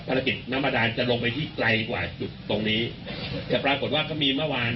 น้ำเก็บน้ำบาดานจะลงไปที่ไกลกว่าจุดตรงนี้แต่ปรากฏว่าก็มีเมื่อวาน